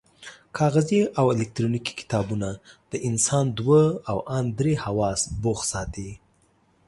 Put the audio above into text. کاغذي او الکترونیکي کتابونه د انسان دوه او ان درې حواس بوخت ساتي.